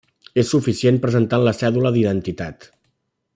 És suficient presentant la cèdula d'identitat.